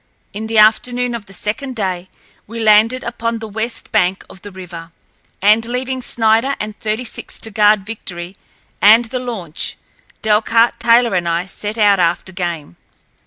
In the afternoon of the second day we landed upon the west bank of the river, and, leaving Snider and Thirty six to guard Victory and the launch, Delcarte, Taylor, and I set out after game.